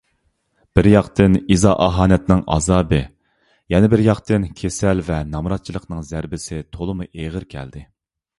بىرياقتىن ئىزا - ئاھانەتنىڭ ئازابى، يەنە بىرياقتىن كېسەل ۋە نامراتچىلىقنىڭ زەربىسى تولىمۇ ئېغىر كەلدى.